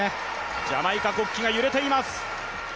ジャマイカ国旗が揺れています。